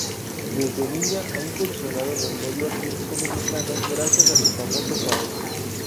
Desde niña ha incursionado en el medio artístico mexicano gracias a su famoso padre.